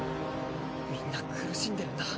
みんな苦しんでるんだ。